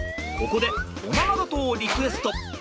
ここでおままごとをリクエスト！